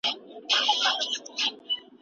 د شاګرد او استاد مزاج باید سره یو وي.